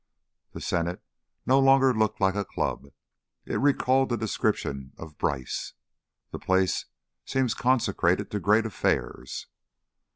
The Senate no longer looked like a Club. It recalled the description of Bryce: "The place seems consecrated to great affairs."